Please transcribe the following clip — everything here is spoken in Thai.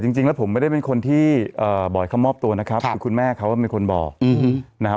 จริงแล้วผมไม่ได้เป็นคนที่บอกให้เขามอบตัวนะครับคือคุณแม่เขาเป็นคนบอกนะครับ